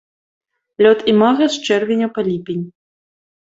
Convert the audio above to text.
Лёт імага з чэрвеня па ліпень.